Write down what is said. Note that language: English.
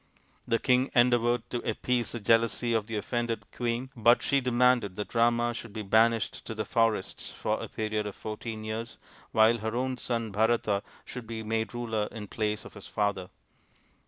The king endeavoured to appease the jealousy of the offended queen, but she demanded that Rama should be banished to the forests for a period of fourteen years while her own son Bharata should be made ruler in place of his father.